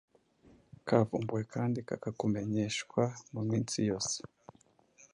kavumbuwe kandi kakakumenyeshwa muminsi yose